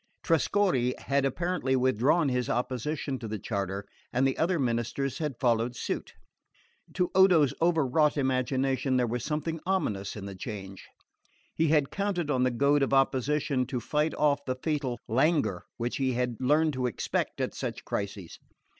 Trescorre had apparently withdrawn his opposition to the charter, and the other ministers had followed suit. To Odo's overwrought imagination there was something ominous in the change. He had counted on the goad of opposition to fight off the fatal languor which he had learned to expect at such crises.